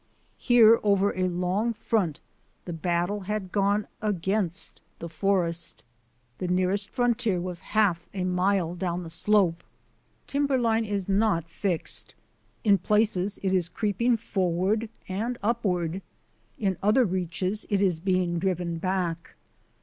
Here over a long front the battle had gone against the forest. The near est frontier was half a mile down the slope. Timberline is not fixed. In places it is creeping forward and upward; in other reaches it is being driven back.